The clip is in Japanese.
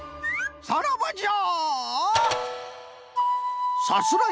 さらばじゃ！